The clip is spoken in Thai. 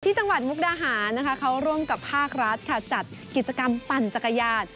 จังหวัดมุกดาหารนะคะเขาร่วมกับภาครัฐค่ะจัดกิจกรรมปั่นจักรยาน